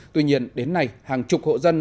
tuy nhiên đến nay hàng chục hộ dân